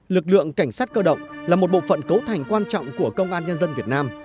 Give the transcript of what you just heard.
lực lượng cảnh sát cơ động là một bộ phận cấu thành quan trọng của công an nhân dân việt nam